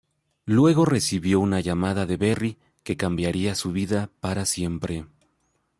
Luego recibió una llamada de Berry que cambiaría su vida para siempre.